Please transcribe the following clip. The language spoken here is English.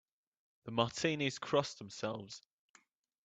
The Martinis cross themselves.